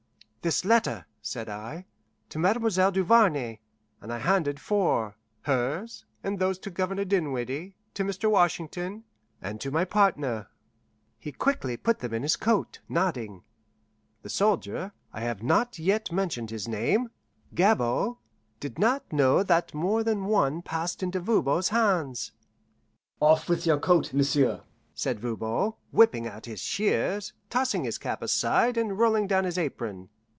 "This letter," said I, "to Mademoiselle Duvarney," and I handed four: hers, and those to Governor Dinwiddie, to Mr. Washington, and to my partner. He quickly put them in his coat, nodding. The soldier I have not yet mentioned his name Gabord, did not know that more than one passed into Voban's hands. "Off with your coat, m'sieu'," said Voban, whipping out his shears, tossing his cap aside, and rolling down his apron.